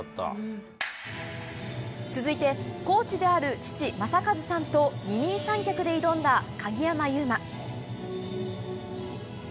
続いて、コーチである父、正和さんと二人三脚で挑んだ鍵山優真。